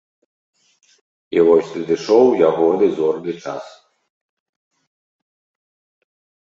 І вось надышоў ягоны зорны час.